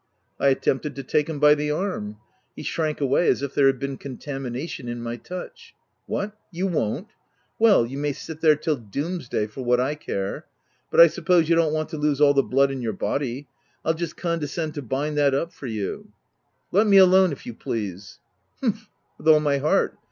I at tempted to take him by the arm. He shrank away as if there had been contamination in my touch. *' What, you won't ? Well ! you may sit there till doomsday, for what I care. But I suppose you don't want to lose all the blood in your body — I'll just condescend to bind that up for you/' " Let me alone, if you please." u Humph ! with all my heart.